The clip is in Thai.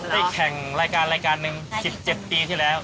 แข่งรายการรายการหนึ่ง๑๗ปีที่แล้ว